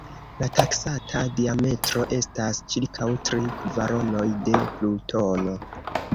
La taksata diametro estas ĉirkaŭ tri kvaronoj de Plutono.